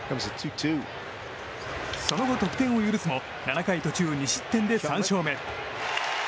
その後、得点を許すも７回途中２失点で３勝目。